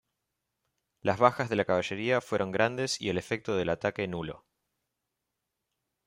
Las bajas de la caballería fueron grandes y el efecto del ataque nulo.